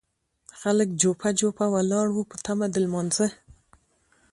خلک جوپه جوپه ولاړ وو په تمه د لمانځه.